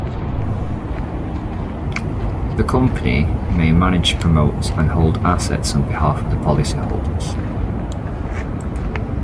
The company may manage, promote and hold the assets on behalf of the policyholders.